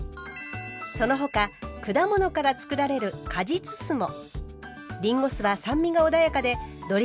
その他果物からつくられる果実酢も。